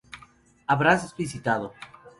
Habrás visitado